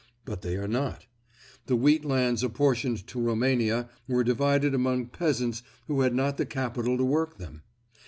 But they are not. The wheat lands apportioned to Roumania were divided among peasants who had not the capital to work them.